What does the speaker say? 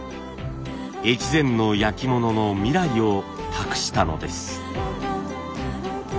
越前の焼き物の未来を託したのです。